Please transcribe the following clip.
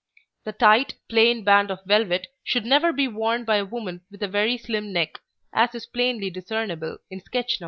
The tight, plain band of velvet should never be worn by a woman with a very slim neck, as is plainly discernible in sketch No.